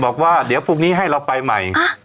บอกว่าเดี๋ยวพรุ่งนี้ให้เราไปใหม่